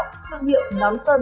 thương hiệu nón sơn